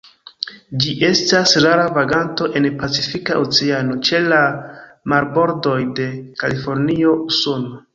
Ĝi estas rara vaganto en Pacifika Oceano ĉe la marbordoj de Kalifornio, Usono.